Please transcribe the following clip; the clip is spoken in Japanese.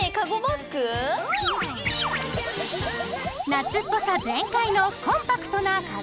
夏っぽさ全開のコンパクトなカゴバッグ。